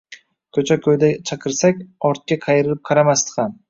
Ko’cha-ko’yda chaqirsak, ortga qayrilib qaramasdi ham.